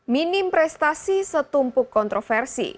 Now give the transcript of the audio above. minim prestasi setumpuk kontroversi